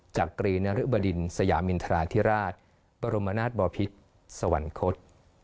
จากกรีนริบดินสยามินธาษฎิราชปรมนาทบพิษสวรรคกฤษ